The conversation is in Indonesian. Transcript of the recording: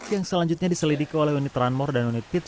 yang selanjutnya diselidiki oleh unit ranmor dan unit pits